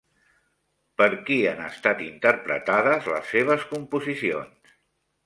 Per qui han estat interpretades les seves composicions?